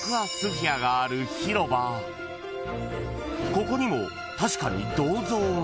［ここにも確かに銅像が］